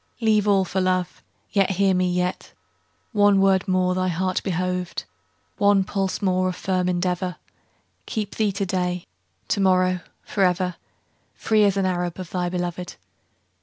Leave all for love; Yet, hear me, yet, One word more thy heart behoved, One pulse more of firm endeavor, Keep thee to day, To morrow, forever, Free as an Arab Of thy beloved.